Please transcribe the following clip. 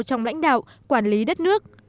trong lãnh đạo quản lý đất nước